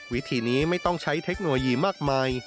วิธีนี้ไม่ต้องใช้เทคโนโลยีมากมาย